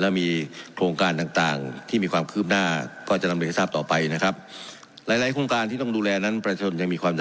และมีโครงการต่างที่มีความคืบหน้าก็จะนำโดยทราบต่อไป